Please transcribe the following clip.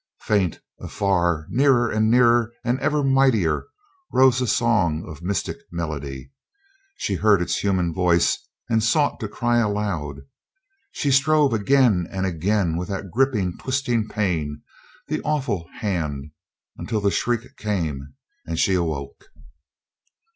Faint, afar, nearer and nearer and ever mightier, rose a song of mystic melody. She heard its human voice and sought to cry aloud. She strove again and again with that gripping, twisting pain that awful hand until the shriek came and she awoke.